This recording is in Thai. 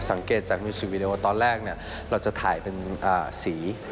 สังเกตจากมิวสิกวีดีโอตอนแรกเราจะถ่ายเป็นสี